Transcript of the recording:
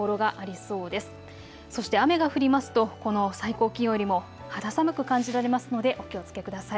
そして雨が降りますとこの最高気温よりも肌寒く感じられますのでお気をつけください。